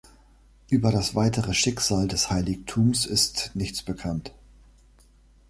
Über das weitere Schicksal des Heiligtums ist nichts bekannt.